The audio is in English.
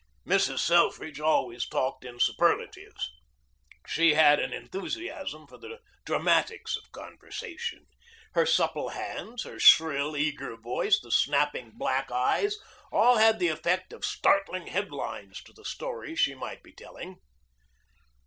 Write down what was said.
Mrs. Selfridge always talked in superlatives. She had an enthusiasm for the dramatics of conversation. Her supple hands, her shrill, eager voice, the snapping black eyes, all had the effect of startling headlines to the story she might be telling.